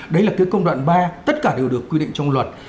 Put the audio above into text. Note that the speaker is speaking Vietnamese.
đấy là cái công đoạn ba tất cả đều được quy định trong luật